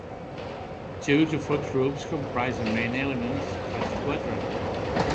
Two to four troops comprise the main elements of a squadron.